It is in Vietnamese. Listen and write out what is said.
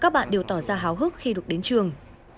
các bạn đều tỏ ra háo hức khi được đến trường